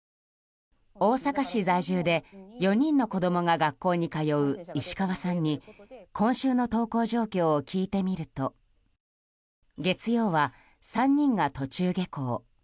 大阪市在住で４人の子供が学校に通う石川さんに今週の登校状況を聞いてみると月曜は３人が途中下校。